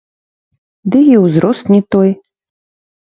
Ды і ўзрост не той.